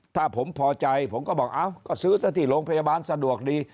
ถ้าผมพอใจผมก็บอกเอ้าก็ซื้อซะที่โรงพยาบาลสะดวกดี